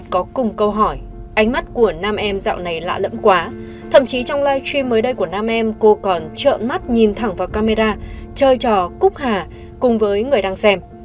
cô còn trợn mắt nhìn thẳng vào camera chơi trò cúc hà cùng với người đang xem